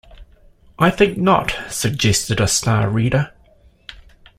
I think not, suggested a Star reader.